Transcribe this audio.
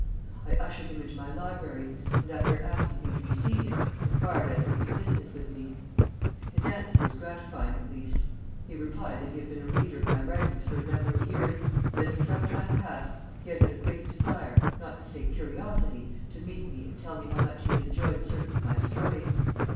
I ushered him into my library, and, after asking him to be seated, inquired as to his business with me. His answer was gratifying at least He replied that he had been a reader of my writings for a number of years, and that for some time past he had had a great desire, not to say curiosity, to meet me and tell me how much he had enjoyed certain of my stories.